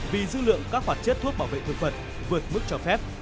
vì dư lượng các hoạt chất thuốc bảo vệ thực vật vượt mức cho phép